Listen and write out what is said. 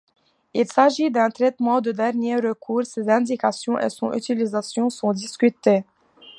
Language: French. Il s'agit d'un traitement de dernier recours, ses indications et son utilisation sont discutées.